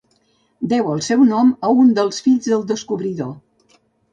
Deu al seu nom a un dels fills del descobridor.